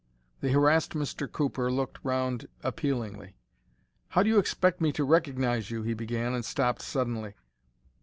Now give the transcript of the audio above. The harassed Mr. Cooper looked around appealingly. "How do you expect me to recognize you—" he began, and stopped suddenly.